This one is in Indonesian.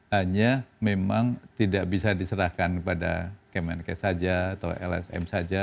hanya memang tidak bisa diserahkan pada kemenkes saja atau lsm saja